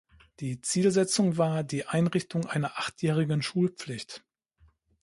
Die Zielsetzung war, die Einrichtung einer achtjährigen Schulpflicht.